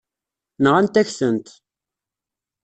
Nɣant-ak-tent.